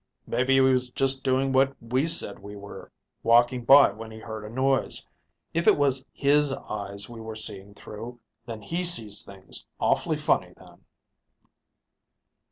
"Maybe he was just doing what we said we were; walking by when he heard a noise. If it was his eyes we were seeing through, then he sees things awfully funny, then."